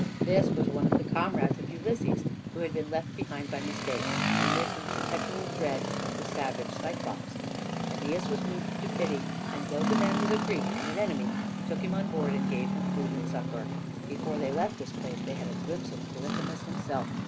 This was one of the comrades of Ulysses, who had been left behind by mistake, and lived in perpetual dread of the savage Cyclôpes. Æneas was moved to pity, and though the man was a Greek and an enemy, he took him on board and gave him food and succor. Before they left this place they had a glimpse of Polyphemus himself.